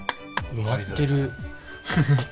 埋まってる。